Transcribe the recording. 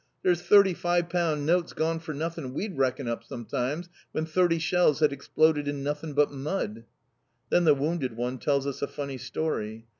There's thirty five pound notes gone for nothing we'd reckon up sometimes when thirty shells had exploded in nothin' but mud!" Then the wounded one tells us a funny story.